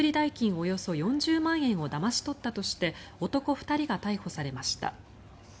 およそ４０万円をだまし取ったとして男２人が逮捕されました。